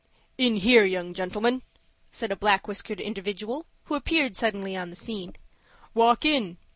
"In here, young gentlemen," said a black whiskered individual, who appeared suddenly on the scene. "Walk in."